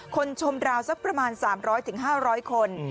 ชมราวสักประมาณ๓๐๐๕๐๐คน